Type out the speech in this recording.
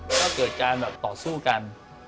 ก็ระเกิดกันหรือว่าต่อสู้กัน